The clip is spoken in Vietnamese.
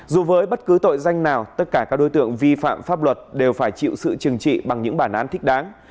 dù với bất cứ tội danh nào tất cả các đối tượng vi phạm pháp luật đều phải chịu sự trừng trị bằng những bản án thích đáng